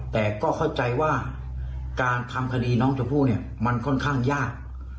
แต่ก็เข้าใจว่าการทำคดีน้องชมพู่เนี่ยมันค่อนข้างยาก